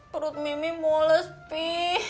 perut mimi moles pi